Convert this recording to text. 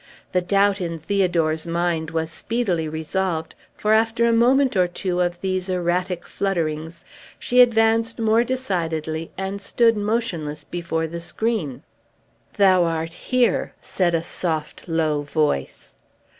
The doubt in Theodore's mind was speedily resolved; for, after a moment or two of these erratic flutterings, she advanced more decidedly, and stood motionless before the screen. "Thou art here!" said a soft, low voice.